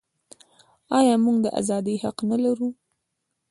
آیا موږ د ازادۍ حق نلرو؟